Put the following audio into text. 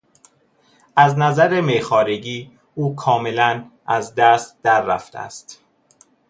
از نظر میخوارگی، او کاملا از دست در رفته است.